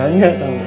makanya kang dadang